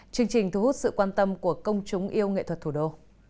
chương trình thu hút sự quan tâm của công chúng yêu nghệ thuật thủ đô